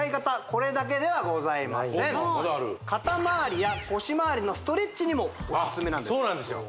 これだけではございませんまだある肩まわりや腰まわりのストレッチにもオススメなんですそうなんですよ